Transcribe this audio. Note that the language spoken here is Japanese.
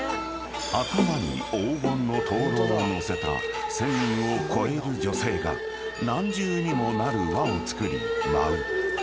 ［頭に黄金の灯籠を載せた１，０００人を超える女性が何重にもなる輪をつくり舞う］